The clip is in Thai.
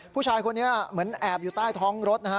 ผู้ชายคนนี้เหมือนแอบอยู่ใต้ท้องรถนะฮะ